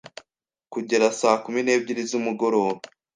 kugera saa kumi n’ebyiri z’umugoroba.